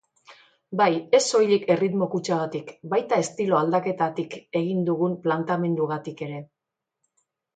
Bai, ez soilik erritmo-kutxagatik, baita estilo-aldaketatik egin dugun planteamenduagatik ere.